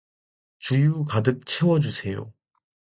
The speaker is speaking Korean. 주유 가득 채워주세요.